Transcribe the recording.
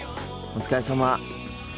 お疲れさま。